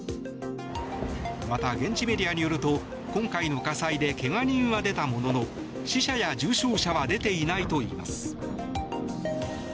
また、現地メディアによると今回の火災で怪我人は出たものの死者や重傷者は出ていないといいます。